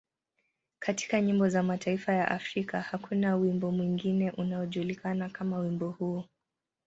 Katika nyimbo za mataifa ya Afrika, hakuna wimbo mwingine unaojulikana kama wimbo huo.